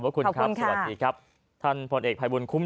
หมดได้ยินดีครับ